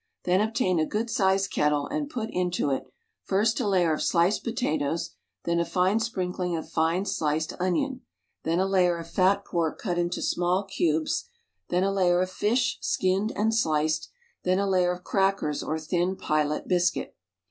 Then obtain a good sized kettle and put into it, first a layer of sliced potatoes, then a fine sprinkling of fine sliced onion, then a layer of fat pork cut into small cubes, then a layer of fish, skinned and sliced, then a layer of crackers or thin pilot biscuit.